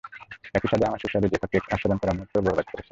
একই সাথে আমার সুস্বাদু জ্যাফা কেক আস্বাদন করার মুহূর্তটাও বরবাদ করছেন!